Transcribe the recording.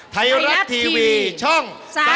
ไทยรัฐทีวีช่อง๓๒